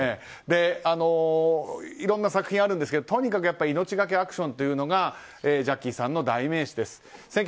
いろんな作品があるんですけどとにかく命がけアクションというのがジャッキーさんの代名詞です。